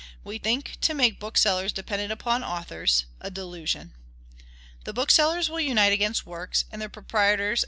We think to make booksellers dependent upon authors, a delusion. The booksellers will unite against works, and their proprietors.